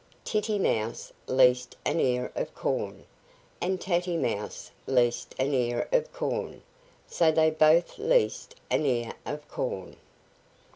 Titty Mouse leased an ear of corn, and Tatty Mouse leased an ear of corn, So they both leased an ear of corn.